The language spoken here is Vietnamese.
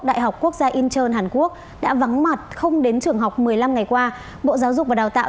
đại học quốc gia incheon hàn quốc đã vắng mặt không đến trường học một mươi năm ngày qua bộ giáo dục và đào tạo